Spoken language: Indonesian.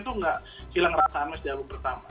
itu gak hilang rasa ame di album pertama